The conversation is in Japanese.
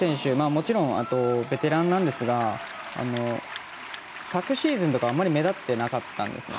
もちろんベテランなんですが昨シーズンとか、あんまり目立ってなかったんですね。